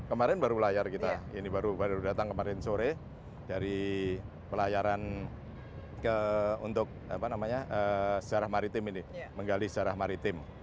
kemarin baru layar kita ini baru datang kemarin sore dari pelayaran untuk sejarah maritim ini menggali sejarah maritim